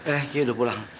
eh ki udah pulang